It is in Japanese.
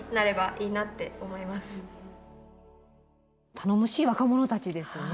頼もしい若者たちですね。